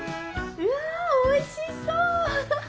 うわおいしそう！